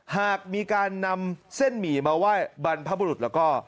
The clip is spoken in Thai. หากมีการนำเส้นหมี่มาไหว้บรรพบุรุษแล้วก็